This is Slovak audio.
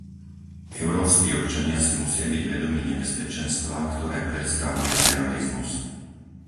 Európski občania si musia byť vedomí nebezpečenstva, ktoré predstavuje terorizmus.